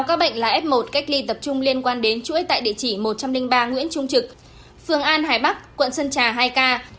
các bệnh là f một cách ly tập trung liên quan đến chuỗi tại địa chỉ một trăm linh ba nguyễn trung trực phường an hải bắc quận sơn trà hai ca